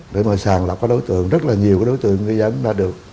để mà sàn lọc các đối tượng rất là nhiều đối tượng người dân đã được